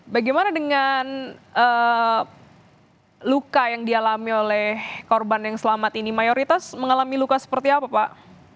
bagaimana dengan luka yang dialami oleh korban yang selamat ini mayoritas mengalami luka seperti apa pak